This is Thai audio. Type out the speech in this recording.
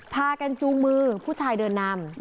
พากันจูงมือผู้ชายเดินนำ